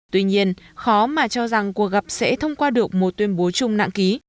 tuy nhiên khó mà cho rằng cuộc gặp sẽ thông qua được một tuyên bố chung nạng ký